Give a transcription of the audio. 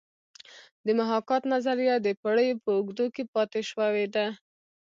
د محاکات نظریه د پیړیو په اوږدو کې پاتې شوې ده